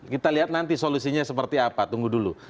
kita lihat nanti solusinya seperti apa tunggu dulu